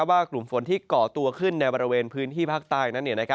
ว่ากลุ่มฝนที่ก่อตัวขึ้นในบริเวณพื้นที่ภาคใต้นั้น